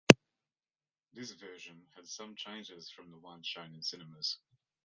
This version had some changes from the one shown in cinemas.